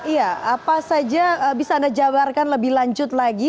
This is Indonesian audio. iya apa saja bisa anda jabarkan lebih lanjut lagi